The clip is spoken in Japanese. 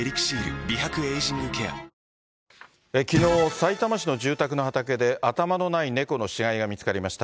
新「ＥＬＩＸＩＲ」きのう、さいたま市の住宅の畑で、頭のない猫の死骸が見つかりました。